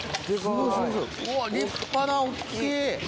うわ立派だ大っきい。